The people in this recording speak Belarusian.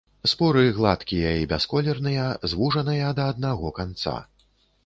Споры гладкія і бясколерныя, звужаныя да аднаго канца.